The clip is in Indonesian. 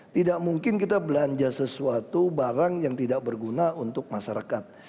tidak mungkin kita belanja sesuatu barang yang tidak berguna untuk masyarakat